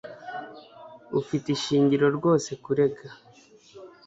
Ufite ishingiro rwose kurega